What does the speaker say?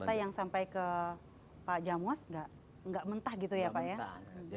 jadi data yang sampai ke pak jamwas tidak mentah gitu ya pak ya